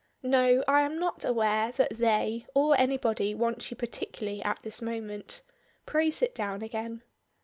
"No, I am not aware that 'they' or anybody wants you particularly at this moment. Pray sit down again."